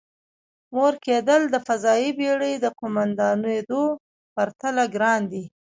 مور کېدل د فضايي بېړۍ د قوماندانېدو پرتله ګران دی.